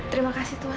terima kasih tuhan